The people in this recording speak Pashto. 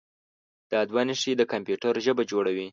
دا دوه نښې د کمپیوټر ژبه جوړوي.